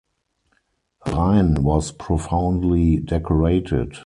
Rein was profoundly decorated.